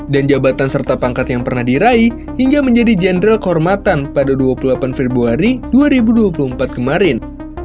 dan jabatan serta pangkat yang pernah diraih hingga menjadi jenderal kehormatan pada dua puluh delapan februari dua ribu dua puluh empat kemarin